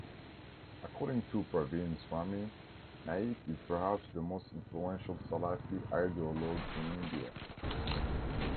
According to Praveen Swami, Naik is "perhaps the most influential Salafi ideologue in India".